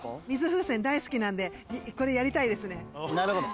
水風船大好きなんでこれやりたいですね。